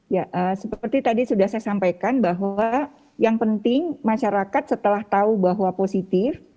ya seperti tadi sudah saya sampaikan bahwa yang penting masyarakat setelah tahu bahwa positif